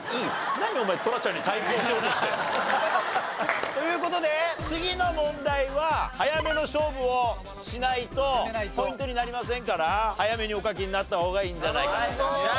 何お前トラちゃんに対抗しようとしてるの？という事で次の問題は早めの勝負をしないとポイントになりませんから早めにお書きになった方がいいんじゃないかなという。